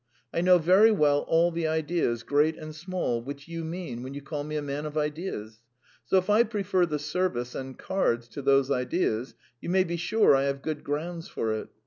I know very well all the ideas, great and small, which you mean when you call me a man of ideas. So if I prefer the service and cards to those ideas, you may be sure I have good grounds for it.